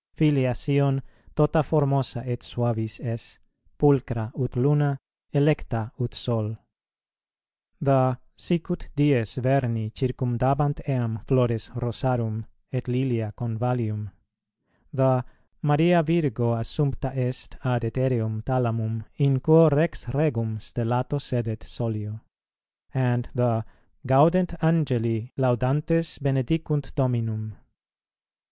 filia Sion, tota formosa et suavis es, pulcra ut luna, electa ut sol;" the "Sicut dies verni circumdabant eam flores rosarum, et lilia convallium;" the "Maria Virgo assumpta est ad æthereum thalamum in quo Rex regum stellato sedet solio;" and the "Gaudent Angeli, laudantes benedicunt Dominum."